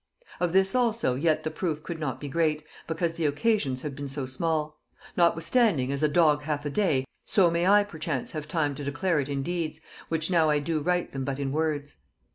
"Of this also yet the proof could not be great, because the occasions have been so small; notwithstanding, as a dog hath a day, so may I perchance have time to declare it in deeds, which now I do write them but in words.